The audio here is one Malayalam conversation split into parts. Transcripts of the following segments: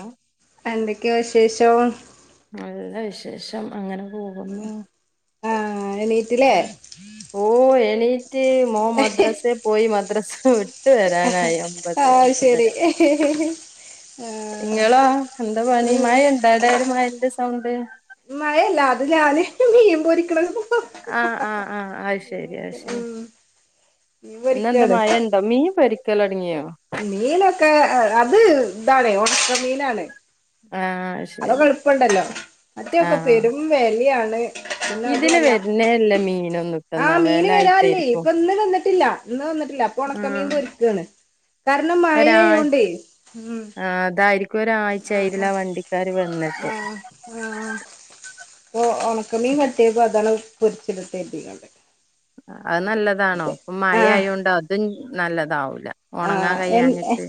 ആഹ് എന്തൊക്കെയോ വിശേഷം നല്ല വിശേഷം അങ്ങനെ പോകുന്നു ആ എണീറ്റില്ലേ ഓ എണീറ്റ് മോൻ മദ്രസേ പോയി മദ്രസ വി ട്ട് വരാനായി ആ ഒമ്പത് ഒമ്പതര ശരി ആ നിങ്ങളോ എന്താ പണി ഉം മയ ഇണ്ടാ അവിടെ ഒരു മയെന്റെ സൗണ്ട് മഴയല്ല അത് ഞാന് മീൻ പൊരിക്കണത് ആ ആ ആ അത് ശരി അത് ശരി ഉം മീൻ ഇന്നെന്താ പൊരിക്കാണ് മയ ഉണ്ടോ മീൻ പൊരിക്കലുടങ്ങിയോ മീനൊക്കെ അത് ഇതാണ് ഉണക്ക മീനാണ് ആഹ് അത് അതൊക്കെ ശരി എളുപ്പുണ്ടല്ലോ മറ്റേക്കെ ആഹ് പെരും വെലയാണ് പിന്നെ ഇതിന് അതുമല്ല വരുന്നേല്ല മീനൊന്നും ആ ഇട്ടന്നാ മീന് വരാറില്ലേ വെലായിട്ടായിരിക്കും ഇപ്പൊ ഇന്ന് വന്നി ട്ടില്ല ഇന്ന് വന്നിട്ടില്ല അപ്പൊ ആഹ് ഉണക്കമീൻ പൊരിക്കുകയാണ് കാരണം ഒരാഴ് മഴയായോണ്ടേ ഉം ആഹ് അതായിരിക്കും ഒരാഴ്ച ആയി ഇതിലെ വണ്ടിക്കാർ വ ആ ആ അപ്പൊ ഉണക്കമീൻ പറ്റിയപ്പോ അതാണ് പൊരിച്ചെടുത്തേട്ടികൊണ്ട് അത് നല്ലതാണോ ഇപ്പ മഴ ആയോണ്ട് അതും നല്ലതാവു ല്ല ഉണങ്ങാൻ കഴിയാഞ്ഞിട്ട്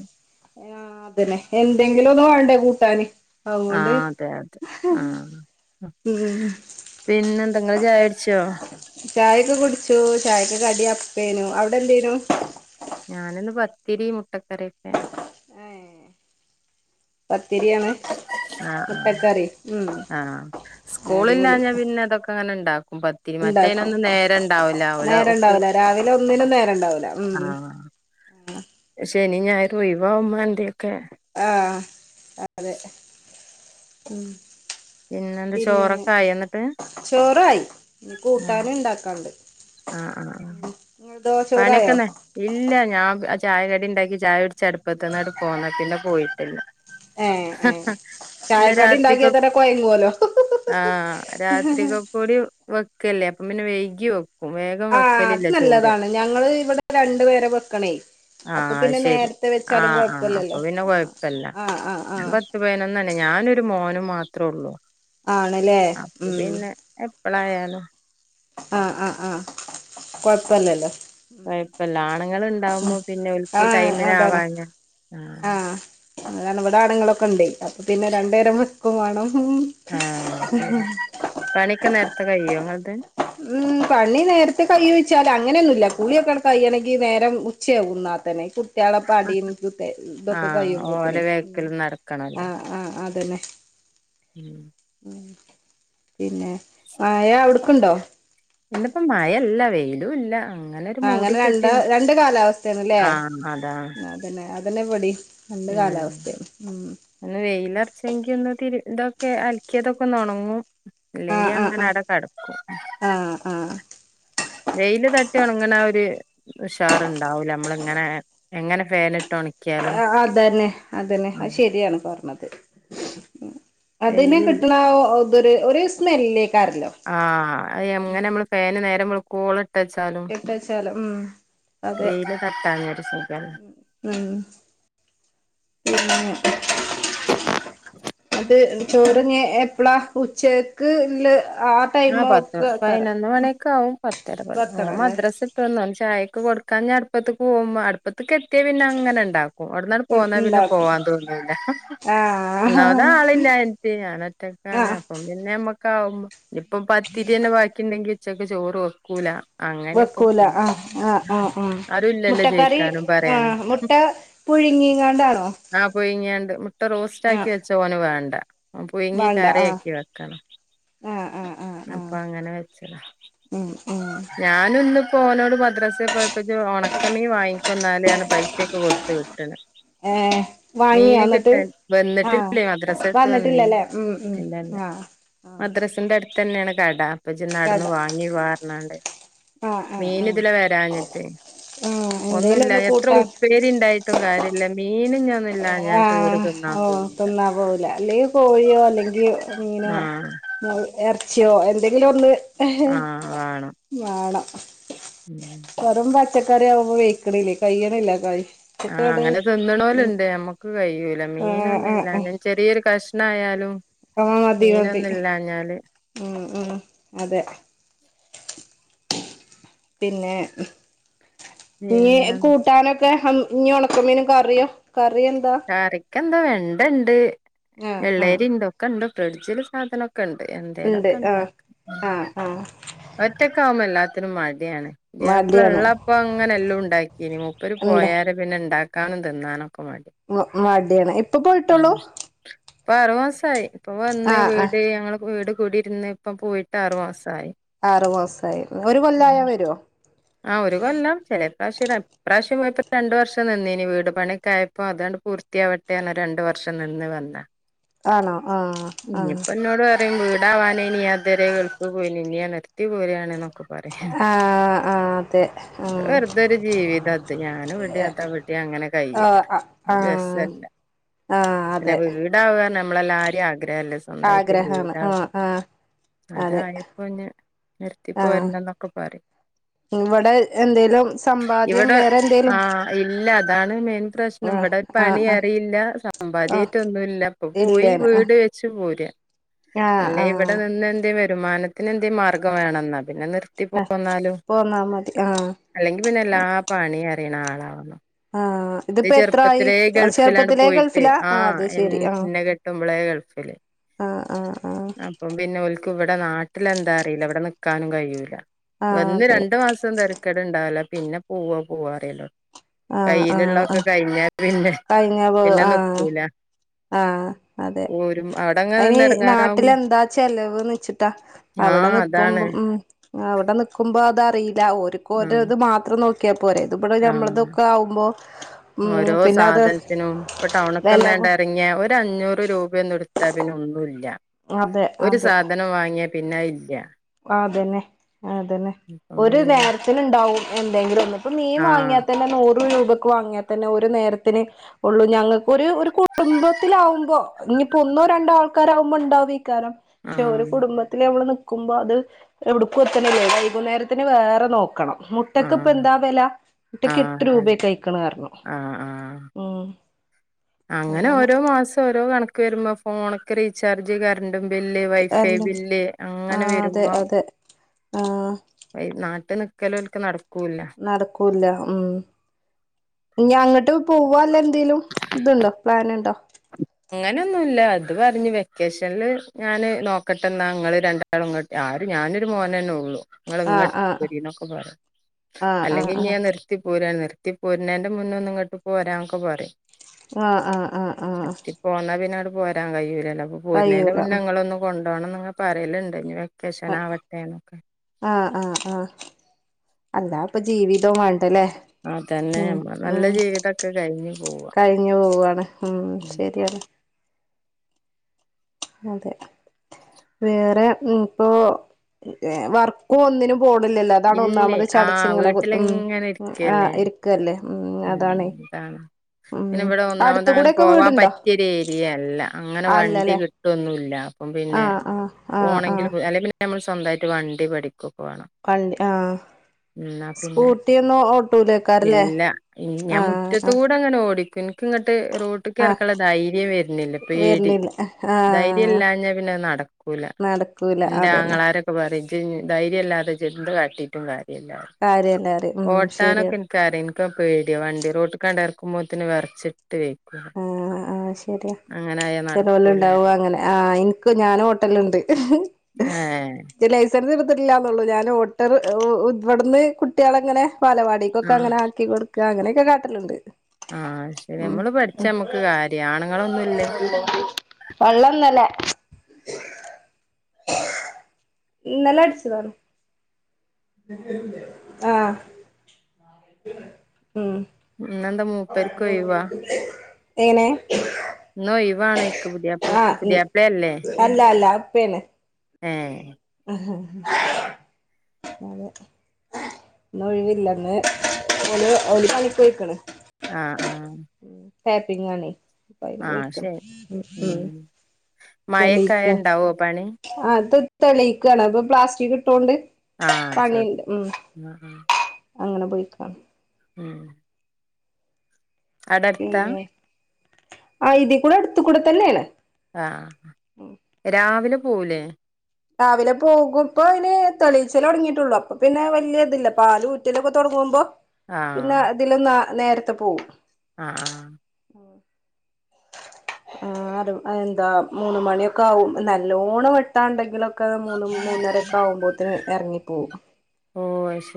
ആ അതന്നെ എന്തെങ്കിലും ഒന്നു വേണ്ടേ കൂട്ടാന് ആ അതുകൊണ്ട് അതെ അതെ ആ ഉം പിന്നെ എന്ത ഇങ്ങള് ചാ ചായൊക്കെ കുടിച്ചു ചായക്ക് കടി അപ്പേനു അവിടെ എന്തേനു ത്തിരി മുട്ട കറി കേ ആ തിരിയാണ് ആ ആ ആ സ്കൂളില്ലാഞ്ഞാ പിന്നെ അതൊക്കെ അങ്ങനെണ്ട് ഉണ്ടാക്കും നേരഉണ്ടാവൂല്ല രാവിലെ ഒന്നിനും നേര ഉണ്ടാവില്ല ആ ശനി ഞായർ ഒഴിവാവുമ്പൊ എന്തയൊക്കെ ആ അതെ ഉം പിന്നെന്താ പിന്നെ ചോറൊക്കെ ആയോ ഇന്നട്ട് ചോറായി ഇനി കൂട്ടാനും ഇണ്ടാക്കാണ്ട് ആ ആ ആ ചോറായോ പണിയൊക്കന്നെ ഇല്ല ഞാൻ ചായ കടി ഉണ്ടാക്കി ചായ കുടിച്ച അടുപ്പത്തന്നട്ട് പോന്നട്ടില്ല പോയിട്ടില്ല ഏ ഏ ചായക്കടി ഉണ്ടാക്കിയാ തന്നെ കൊയങ്ങുവല്ലോ ആ [unintelligible] കൂടി വേ വയ്ക്കല്ലേ അപ്പൊ പിന്നെ വൈകി വെക്കും വേഗം ആ അത് വെക്കലില്ല ചോറ് നല്ലതാണ് ഞങ്ങള് ഇവിടെ രണ്ടു പേരെ വെക്കണേ ആ അപ്പൊ പിന്നെ ശരി നേരത്തെ ആ വെച്ചാലും ആ അപ്പൊ കൊഴപ്പല്ലല്ലോ പിന്നെ ആ കൊഴപ്പല്ല ആ ആ ആ പത്ത് പേനൊ ഞാനൊരു മോനും മാത്രേള്ളൂ ആണല്ലേ അപ്പ ഉം പിന്നെ എപ്പഴായാലും ആ ആഹ് ആ കൊഴപ്പല്ലല്ലോ ഇപ്പൊ ലാണങ്ങ ഉണ്ടാവുമ്പോ പിന്നെ ആ ഉക്കി ടൈമിന ആവാ ആ [unintelligible] വിടെ ആണുങ്ങളൊക്കെ ണ്ടേ അപ്പൊ പിന്നെ രണ്ടുേരം മക്കും വേണം ആ ശരി പണിയൊക്കെ നേരത്തെ കഴിയോത് ഉം പണി നേരത്തെ കൈ വെച്ചാൽ അങ്ങനെയൊന്നുമല്ല കുളിയൊക്കെ കയ്യണെങ്കി നേരം ഉച്ചയാകുന്ന [unintelligible] [unintelligible] ഇതൊക്കെ ആഹ് ഓലെ കഴിയുമ്പോത്തിനെ വേക്കില് ആ നടക്കണല്ലോ ആ അന്നെ ഉം പിന്നെ മായ അവിടുക്കുണ്ടോ ഇന്നപ്പോ മഴല്ല വെയിലും ഇല്ല അങ്ങനെ ഒരു ആ മൂടി അങ്ങനെ രണ്ട കെട്ടി രണ്ട് കാലാവസ്ഥയണല്ലേ ആഹ് അതാ അതന്നെ അതന്നെ പൊടി ഉം അ വെയിലറച്ചെങ്കി ഒന്ന്തിരിന്ത കേ അൽക്കിയതൊക്കെ നണങ്ങും ആഹ് ഇല്ലെങ്കി അങ്ങനെ ആഹ് അവിടെ കെടക്കും ആഹ് ആഹ് വെയില് തട്ടി ഉണങ്ങന ഒരു ഉഷാറുണ്ടാവൂല നമ്മള ഇങ്ങനെ എങ്ങനെ ഫെനെ ഇട്ട് ഉണ- അതന്നെ അതന്നെ അ ശെരിയാണ് പറഞ്ഞത് അതിനെ വെയിലില്ല കിട്ടണ ഇതൊ ഒരു സ്മെല്ലേ ആഹ അത് അങ്ങനെ നമ്മള് ഫേന നേരം വിളുക്കോള- എട്ടാച്ചാലും ഉം അതെ വെയില് തട്ടാഞ്ഞൊരു സുഖല്ല ഉം പിന്നെ അത് ചോറിങ്ങ എപ്പളാ ഉച്ചക്ക് ഇല്ല ആ ടൈമ് ഒക്കെ പത്ത്ം വെക്കാറ് പതിനൊന്ന് മണിയൊക്കെ ആകും പത്ത് ഉത്തര വെക്കണല്ലേ മദ്രസ് ഇട്ട്ന്ന ചായയ്ക്ക് കൊടുക്കാൻ അടുപ്പത്ത് പോകുമ്പോ അടു- ഇതക്കെത്തിയാ പിന്നെ അങ്ങനെ ഇണ്ടാക്കും അടന്നാട് പോകന്നാ പിന്നെ ഉണ്ടാക്കും പോവാൻ തോന്നില്ല ഒന്നാമതാ ആഹ് ആളില്ല എനി് ഞാൻ ഒറ്റക്കാണ് ആഹ് അപ്പം പിന്നെമ്മ- ഇനിപ്പ പത്തിരി തന്നെ ബാക്കി ഉണ്ടെങ്കി ഉച്ചക്ക് ചോറ് വെക്കൂല അങ്ങനെയൊക്കെ വെക്കൂല പോകും ആ ആ ആ ആ ആരും ഇല്ലല്ലോ മുട്ടക്കറി ചോയിക്കാനും ആ പറയാനും മുട്ട- പിഴുങ്ങീങ്ങാണ്ടാണോ ആ പുഴുങ്ങിയണ്ട് മുട്ട റോസ്റ്റ് ആക്കി വെച്ച ഓന് വേണ്ട ആ പുയങ്ങി വേണ്ട ആഹ് കറിയക്കി വെക്കണം ആഹ് ആഹ് ആഹ് ആഹ് അപ്പൊ അങ്ങനെ വെച്ചതാ ഉം ഉം ഞാനൊന്ന് ഓനോട്‌ മദ്രാസൽ പോയപ്പോ ഉണക്കമീ വാങ്ങിക്കന്നാല ആണ് പൈസൊക്കെ കൊടുത്ത വിട്ടത് ഏഹ് വാങ്ങിയോ മീൻ എന്നിട്ട് കിട്ടാ ആഹ് വന്നിട്ടില്ലേ മദ്രസ ഇട്ട് വന്നല്ല വന്നിട്ടില്ലല്ലേ ഉം ഉം ഇല്ലല്ല ആഹ് ആഹ് മദ്രസിന്റെ അടുത്ത് തന്നെയാണ് കട അപ്പൊ ജ കട നാടന്ന് വാങ്ങി വറണണ്ട് ആഹ് ആഹ് മീൻ ആഹ് ഇതില വരാഞ്ഞിട്ട് ആഹ് എന്തേലും ഒന്നില്ല ഒന്ന് എത്ര കൂട്ടാൻ ഉപ്പേരി ഇണ്ടായിട്ടും കാര്യമില്ല മീന ഞ- ആഹ ഓ തിന്നാ പോവില്ല അല്ലെങ്കിൽ കോഴിയോ അല്ലെങ്കി മീനോ ആഹ് ഇറച്ചിയോ എന്തെങ്കിലും ഒന്ന് ആഹ് വേണം വേണം ഉം വെറും പച്ചക്കറിയ ആവുമ്പോ വെയക്കണില്ലേ കഴ്യണില്ല കഴ്- ആഹ അങ്ങനെ തിന്നണ പോലുണ്ട് നമ്മക്ക് കഴിയൂല ആഹ് മീനൊന്നുംല്ല ഞാൻ ചെറിയൊരു കഷ- എന്തായാലും ആ മതി മതി മ് മ് അതെ പിന്നെ ഇ പിന്നെ കൂട്ടാനൊക്കെ ഈ ഒണക്കമീന കറിയോ കറി എന്താ എന്താ വെണ്ട ഉണ്ട് ആഹ് ആഹ് വെള്ളേരി ഇന്തൊക്കെ ഉണ്ട് ഫ്രിഡ്ജില് സാധനംക്കെ ഇണ്ട് എന്തേലൊക്കെണ്ട ആഹ് ആഹ് ആഹ് ഒറ്റക്ക ആവുമ്പോ എല്ലാത്തിനും മടി- ഇപ്പള മടിയാണ് ഉള്ളപ്പോ അങ്ങനെ എല്ലാം ഉണ്ടാക്കി മുപ്പര് ഇണ്ട് പോയാല പിന്നെ ഇണ്ടാക്ക- കാണും തന്നാനൊക്കെ മ [unintelligible] മടിയാണ് ഇപ്പൊ പോയിട്ടുള്ളൂ ഇപ്പൊ ആറുമാസയി ഇപ്പൊ വന്ന് ആഹ് ആഹ് വീട് ഞങ്ങള് വീട് കൂടിരുന്ന് ഇപ്പ പോയിട്ട് ആറുമാസയി- ആറുമാസയി ഒരു കൊല്ലായ വരുവോ ആഹ് ഒരു കൊല്ലാം ഇപ്രാവശ്യംപ്രാവശ്യം പോയപ്പോ രണ്ടു വർഷം നിന്നി ഇനി വീട ആയപ്പോഴ അതങ്ങട് പൂർത്തിയാവട്ടെല്ല രണ്ട- വർഷം നിന്ന് വരണേ ആണോ ആഹ ആഹ അയും വീടാവാന ഇനി അതുവരെ ഗൾഫ് പോയിനിന്നേന് കുതിപരെയണെന്നൊ [inaudible] ക്കെ പറയാ ആഹ് ആഹ് അതെ ആഹ് വെറുതൊരു ജീവിതം അത് ഞാനും ഇവിടെയതാവിടെയ അങ്ങനെ കഴിയില്ല ഇതല്ല ആഹ അതെ നമ്മളെല്ല ആരും ആഗ്രഹല്ലേ സ്വന്തമായിട്ട് വീട് ആഗ്രഹാണ് ഉണ്ടാകുക ആഹ് ആഹ് അതെ അതായപ്പോ നിർത്തിപ്പോ ആഹ് പോരണ്ടന്നൊക്കെ പറ- ഇവിടെ എന്തേലും സമ്പാദ്യം വേറെ എന്തേലും ല്ലഅതാണ് മെയിൻ പ്രശ്നം ആഹ് ഇവിടെ ആഹ് പണി ആഹ് അറിയില്ല ആഹ് സമ്പാദ്യായിട്ടൊന്നുമല്ല അപ്പൊ പോയി ഇല്ലേന ആഹ് വീട് വെച്ച്പോരക അല്ലെ ഇവിടെ ആഹ് നിന്ന് എന്ത വരുമാനത്തിന് എന്തേ മാർഗംണെന്നൽ പിന്നെ നിർത്തി ആഹ് പോന്നാലും പോന്നാ മതി അല്ലെങ്കി പിന്നെല്ലാ ആഹ് പ പണി അറിയണ ആളാവണം ആഹ് അത് ഇതിപ്പോ എത്രായി ചെറുപ്പത്തിലെ ഗൾഫിലാണ് ചെറുപ്പത്തിലേ പോയിട്ട് ഗൾഫിലാ ആ അത് ആഹ്ന്നെ കെട്ടുമ്പോളെ ഗൾഫ് ഗൾഫില് ആഹ ആഹ ആ എ ഇവിടെ നാട്ടില എന്താ അറിയില്ല ഇവിടെ നിക്കാനും കഴിയൂല്ല ആഹ് വന്ന് അതെ രണ്ടു മാസം തിരക്കട് ഇണ്ടാവല പിന്നെ പൂവ പോവ അറിയല്ലോ ആഹ് കയ്യിലുള്ള ആഹ് ആഹ് കഴിഞ്ഞ പോ ആഹ നിക്കൂല ആഹ അതെ പോരും അവിടങ്ങ് അതിനി നിന്ന് നാട്ടില എടങ്ങാറാവുമ്പോ എന്താ ചെലവ് നച്ചിട്ടാ അവിടെ ആഹ് അതാണ് നിക്കുമ്പം ഉ അവിടെ നിക്കുമ്പോ അതറിയില്ല ഒരിക്കുംര ആഹ് ഇത് മാത്രം നോക്കി പോരേ ഇത് ഇവിടെ ആഹ് ഞമ്മളതൊക്കെ ആകുമ്പോ ഓരോ സാധനത്തിനും ഇപ്പൊ വെല ടൗണക്കന്നണ്ട ഇറങ്ങിയ ഒരു അഞ്ഞൂറു രൂപന്നടത്ത പിന്നെ അതെ ഒന്നുലഒരു അതെ സാധനം വാങ്ങിയ പിന്നെ ഇല്ലയ അതന്നെ അതന്നെ അപ്പം ഒരു പിന്നെ നേരത്തി ഉണ്ടാവും എന്തെങ്കിലും ഒന്ന അപ്പ മീൻ ആഹ് വാങ്ങിയൽ തന്നെ നോ നൂറ് രൂപക്ക് വാങ്ങിയൽ തന്നെ ഒരുനേരത്തിന് ഉള്ളൂഞങ്ങൾക്ക് ഒരു കുടുംത്തിലുമ്പോ ഇനിയിപ്പോ ഒന്നോ രണ്ടോ ആൾക്കാരാവുമ്പോ ഉണ്ടാവുംക്കാരം പക്ഷെ ഒരു ആഹ് കുടുംബത്തില്ൽ നമ്മള് വുമ്പോ അത് എവിടുക്കും എത്തണല്ലേ വൈകുന്നേരത്തിന് വേറെ നോക്കണം ആഹ് മുട്ടക്ക് ഇപ്പ ആഹ് എന്താ വില മുട്ടക്ക് എട്ട് അതാണ് രൂപ കഴിക്കണ കാരണം ആഹ് ആഹ് ഉം അങ്ങനെ ഓരോ മാസം ഓരോ കണക്ക് വരുമ്പോ ഫോണൊക്കെ recharge current bill wifi bill ആ അങ്ങനെ അതെ വരുമ്പോ അതെ ആ നാട്ടില് നിക്കല ഒൽക്ക നട നടക്കൂല്ല ഉം ഞങ്ങ എന്നട്ട് പോവല്ല എന്തേങ്കലും ഇതുണ്ടോ പ്ലാനുണ്ടോ അങ്ങനെ ഒന്നുമല്ല അത് പറഞ്ഞഞ് വെക്കേഷനിില് ഞാന് നോക്കട്ടെന്നാ അങ്ങൾ രണ്ടാള ഇങ്ങോട്ട് ആര് ഞാനൊരു മോന തന്നെ ഉള്ളു ങ്ങ ആഹ് ആഹ് ഇങ്ങോട്ട്രി എന്നൊക്കെ പറയാം ആഹ് ആഹ് അല്ലെങ്കിൽ ആഹ് ഞാൻ നിർത്തി പോരാൻ നിർ എത്തി പോരേൻ്റെ മുന്നേ ഒന്ന് ഇങ്ങട്ട് പോരാാനൊക്കെ പറയും ആഹ ആഹ് ആഹ് ആഹ പിന്നെോട് പോരാ കയ്യൂരല്ലോ അപ്പ പരനേന്റെ മുന്നിൽ ഉം നിങ്ങളൊന്ന കൊ പോോണം പറയലുണ്ട് ക്കശൻ ആവട്ടെനൊക്കെ ആഹ ആഹ അന്താ ഇപ്പൊ ജീവിതവും വേണ്ടല്ലേ അതന്നെ ഉ നമ്മളെ നല്ല ജീവിതൊക്കെ കഴിഞ്ഞു പോവാ കഴിഞ്ഞു പോവയാണ് ഉ ഉം ശരിയാണ് ഉ [unintelligible] അതെ വേറെ ഇപ്പോൊവർക്കും ഒന്നിനും ബോടില്ലല്ലോ അതാണ് ഇല്ലേ ഒന്നാമത് ചടച്ച് ആഹ് ഇങ്ങനെ ഉ വീട്ടിലിങ്ങനെ ആ് ഇരിക്കല്ലേ ഇരിക്കല്ലേ ഉം കാണ ഉം പിന്ന ഇവിടെ ഒന്നാമത്തെ അടുത്ത് അങ്ങനെ കൂടെക്കെ പോവാൻ വീടുണ്ടോ പറ്റിയരു ഏരിയയല്ല അങ്ങനെ വണ്ടി അല്ലല്ലേ കിട്ടും ന്നല്ല അപ്പം പിന്നെ ആഹ് ആഹ് ആഹ് പോണെങ്കിൽ ആഹ് അല്ലെന്നെ നമ്മൾ സ്വന്തമായിട്ട് വണ്ടി പഠിക്കും വേണം ആ എന്നാ പിന്നെ സ്കൂട്ടി ഒന്ന് ഇല്ല ഞാൻ ആഹ് മുറ്റത്തൂടെ അങ്ങനെ ഓടിക്കിക്ക ഇങ്ങ ട്ട് റോട്ട് ക ആഹ് ഇറക്കാള്ള ധൈര്യം വരുന്നില്ല പേടി വരണില്ല ധൈര്യം ആഹ് ഇല്ലഞ്ഞാ പിന്നെ നടക്കൂല നടക്കൂല എന്റെ അതന്നെ ആങ്ങളാരൊക്കെ പറയും ധൈര്യല്ലാതെ ചെന്ത് കാട്ടിട്ടും കാര്യല്ലന്ന് കാര്യല്ല അറിയ ഉം ഓട്ടാനൊ ശരിയാണ് ഇൻക്കറിം പേടിയോ വണ്ടിറോട്ട് ക്കാണ്ടറക്കുമ്പോത്തന് വെറച്ചിട്ട് വെയ്ക്കും ശരി അങ്ങനായാ നടക്കൂല ചെലോല്ണ്ടാവും പറയും അങ്ങനെ ആഹ് എനക്ക് ഞാനും ഓട്ടലുണ്ട് ഏഹ് ലൈസൻസ് ഞാൻ ഓട്ടല് ഇവിടന്ന് കുട്ട. പോളങ്ങനെ പാലപാടിക്കൊക്കെ ആഹ് അങ്ങനെ ആക്കിടുക്ക അങ്ങനെയൊക്കെ കാട്ടിലുണ്ട് ആഹ് ശരി നമ്മള് പ പ നമ്മുക്ക് കാര്യാണുങ്ങളൊന്നും ഇല്ലെങ്കിൽ നല്ല അടിച്ചു വരു ആഹ് ഉം ഇന്നെന്താ മൂപ്പര്ക്ക് ഒഴിവാ എങ്ങനെ നൊയിവാണോ ഓൽക്ക പുതിയാപ്പളക്ക് ആഹ് ഉം പുതിയാപ്പള അല്ലേ അല്ല അല്ല ഉപ്പേണ് ഏഹ് [unintelligible] ഒഴിവില്ലന്ന്ഓ കളിൊഴിക്കണ് ആഹ് ആഹ് ടാപ്പിങ്ങാന്നെ അപ്പ അയിന് ആഹ് പോയിക്കും മായക്കായണ്ടാവോ പണി അ തെളിയിക്കാണ് അപ്പൊ പ്ലാസ്റ്റിക് ഇട്ടൊണ്ട് ആഹ് ശരി ആ അങ്ങനെ പോയിക്കാം ഉം അടട്ത്ത ആ ഇതി കൂടെ അടുത്ത കൂടെ തന്നെയ അല്ല ആ രാവിലെ പോവൂലേ രാവിലെ പോകും ഇപ്പൊ അതിന് തെളീച്ചൽ തുടങ്ങിയിട്ടുള്ളു അപ്പൊ പിന്നെ വലിയ ഇതില്ല പാാല കുറ്റലൊക്കെ തുടങ്ങുമ്പോ പിന്നെ ആഹ് ഇതിലന്ന് നേരത്തെ പോവും ആഹ് ആഹ് [unintelligible] ആ എന്താ മൂന്ന് മണിയൊക്കെ ആവും. നല്ലോണം വെട്ടാ ഉണ്ടെങ്കിലൊക്കെ മൂന്ന് മൂ ന്നറൊക്കെ ആകുമ്പോത്തിന് ഇറങ്ങിപ്പോകവും ഓ അശ്ശരി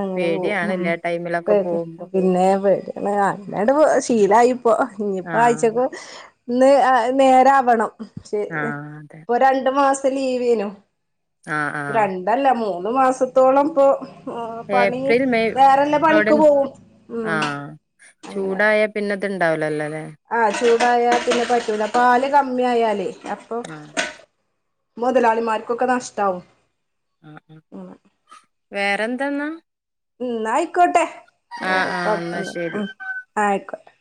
അങ്ങനെ പോവും ഉ പേടി പോകുമ്പോ പിന്നെ പേടി അല്ലാണ്ട് ശീലയിപ്പോ ഇനിയിപ്പോ ആഹ് ആഴച്ചക്ക ന്ന് നേരവണം ആഹ് അതെ ഇപ്പൊ രണ്ടു മാസം ലീവ്യനു ആഹ് ആഹ് രണ്ടല്ല മൂന്നു മാസത്തോളം ഇപ്പൊ, പണി ഏപ്രിൽ മെയ് വേറെല്ല പണിക്ക് അവിടെന്ന് പോവും ഉം ആഹ് ചൂടായ പിന്നെ ഇണ്ടാവലല്ലേ ആഹ് ചൂടായാൽ പിന്നെ പറ്റൂല്ല പാല് കമ്മി ആയാലേ അപ്പൊ, ആഹ് മുതലാളിമാർക്കൊക്കെ നഷ്ടാവും. ആ ഉം വേറെന്തെന്നാ? ഉം ആയിക്കോട്ടെ ആഹ് വറെ ആഹ് പത്തൊ എന്നാ ശരി ഉ ആയിക്കോട്ടെ